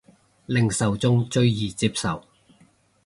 令受眾最易接受